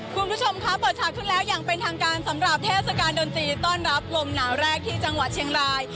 คุณผู้ชมคะเปิดฉากขึ้นแล้วอย่างเป็นทางการสำหรับเทศกาลดนตรีต้อนรับลมหนาวแรกที่จังหวัดเชียงราย